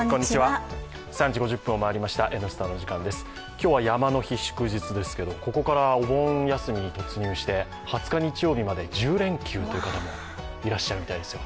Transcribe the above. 今日は山の日、祝日ですけどここからお盆休みに突入して２０日日曜日まで１０連休という方もいらっしゃるみたいですよ。